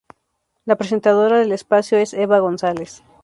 La presentadora del espacio es Eva González.